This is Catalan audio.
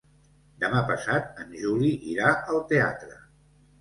Demà passat en Juli irà al teatre.